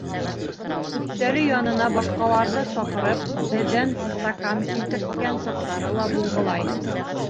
Өҫтәле янына башҡаларҙы саҡырып, беҙҙән стакан килтерткән саҡтары ла булғылай.